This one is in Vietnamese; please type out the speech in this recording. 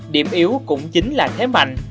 điểm yếu cũng chính là thế mạnh